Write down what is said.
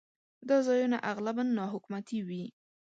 دا ځایونه اغلباً ناحکومتي وي.